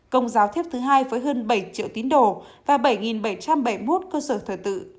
công giáo xếp thứ hai với hơn bảy triệu tín đồ và bảy bảy trăm bảy mươi một cơ sở thờ tự